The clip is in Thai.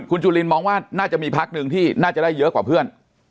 คุณจุลินมองว่าน่าจะมีพักหนึ่งที่น่าจะได้เยอะกว่าเพื่อน